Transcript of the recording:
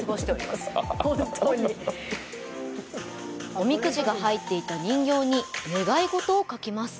おみくじが入っていた人形に願い事を書きます。